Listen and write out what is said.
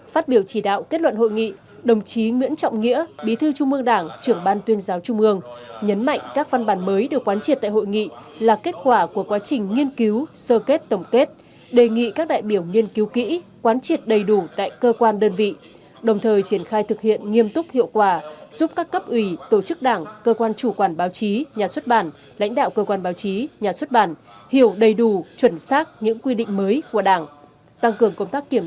phát biểu chỉ đạo kết luận hội nghị đồng chí nguyễn trọng nghĩa bí thư trung ương đảng trưởng ban tuyên giáo trung ương nhấn mạnh các văn bản mới được quán triệt tại hội nghị là kết quả của quá trình nghiên cứu sơ kết tổng kết đề nghị các đại biểu nghiên cứu kỹ quán triệt đầy đủ tại cơ quan đơn vị đồng thời triển khai thực hiện nghiêm túc hiệu quả giúp các cấp ủy tổ chức đảng cơ quan chủ quản báo chí nhà xuất bản lãnh đạo cơ quan báo chí nhà xuất bản hiểu đầy đủ chuẩn xác những quy định mới của đảng